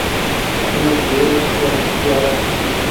¿mitsiuëshquio mëquiado?